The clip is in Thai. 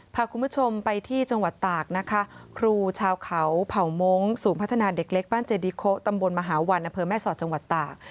พาคุณผู้ชมไปที่จังหวัดตากนะคะครูชาวเขาเผ่ามงค์ศูนย์พัฒนาเด็กเล็กบ้านเจดีโคตำบลมหาวันอำเภอแม่สอดจังหวัดตาก